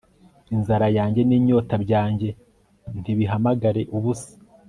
Inzara yanjye ninyota byanjye ntibihamagare ubusa